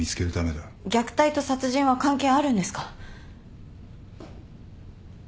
虐待と殺人は関係あるんですか？